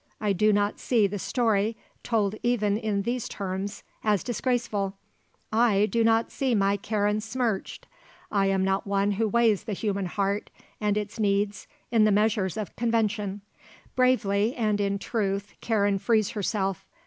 I do not see the story, told even in these terms, as disgraceful; I do not see my Karen smirched. I am not one who weighs the human heart and its needs in the measures of convention. Bravely and in truth, Karen frees herself.